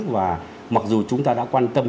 và mặc dù chúng ta đã quan tâm